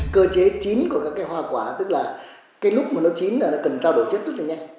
cơ chế chín của các cái hoa quả tức là cái lúc mà nó chín là nó cần trao đổi chất rất là nhanh